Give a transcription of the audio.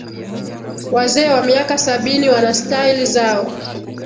wazee wa miaka sabini wana style zao